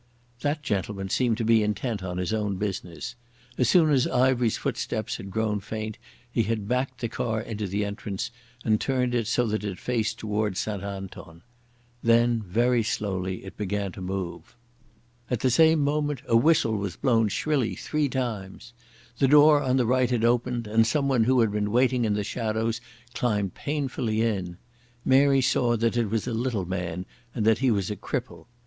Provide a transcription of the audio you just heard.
That gentleman seemed to be intent on his own business. As soon as Ivery's footsteps had grown faint, he had backed the car into the entrance, and turned it so that it faced towards St Anton. Then very slowly it began to move. At the same moment a whistle was blown shrilly three times. The door on the right had opened and someone who had been waiting in the shadows climbed painfully in. Mary saw that it was a little man and that he was a cripple.